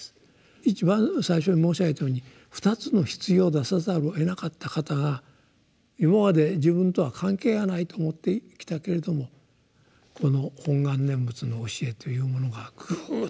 一番最初に申し上げたように２つの棺を出さざるをえなかった方が「今まで自分とは関係がないと思ってきたけれどもこの本願念仏の教えというものがグーッと近くなってきた」と言うんですね。